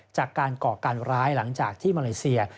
จากการก่อการร้ายหลังจากที่มาเลเซีย